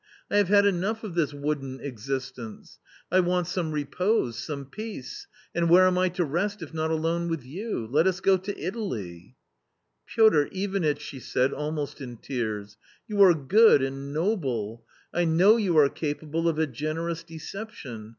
I have had enough of this wooden existence ! I want some repose, some peace ; and where am I to rest if not alone with you ?.... Let us go to Itali " Piotr Ivanitch !" she said, allHU&l 111 lUSrs, " you are good and noble .... I know you are capable of a generous deception